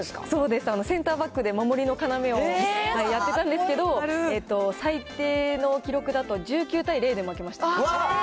そうです、センターバックで、守りの要をやってたんですけど、最低の記録だと１９対０で負けました。